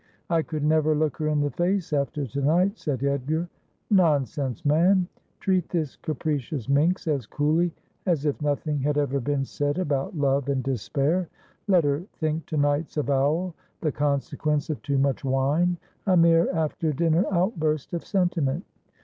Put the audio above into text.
' I could never look her in the face after to night,' said Edgar. ' Nonsense, man ! Treat this capricious minx as coolly as if nothing had ever been said about love and despair. Let her think to night's avowal the consequence of too much wine — a mere after dinner outburst of sentiment.